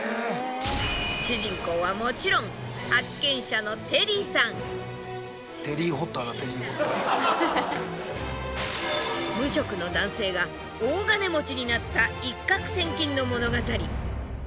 主人公はもちろん無職の男性が大金持ちになった一獲千金の物語。